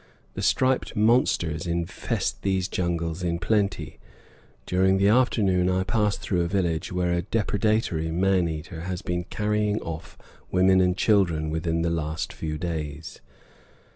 The striped monsters infest these jungles in plenty; during the afternoon I pass through a village where a depredatory man eater has been carrying off women and children within the last few days.